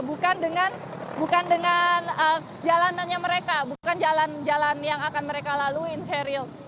bukan dengan jalanannya mereka bukan jalan jalan yang akan mereka lalui sheryl